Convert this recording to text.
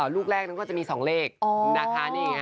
ลูกแรกนั้นก็จะมีสองเลข